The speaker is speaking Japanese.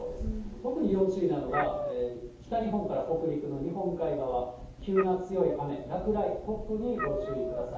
特に要注意なのが、北日本から北陸の日本海側、急な強い雨、落雷、突風にご注意ください。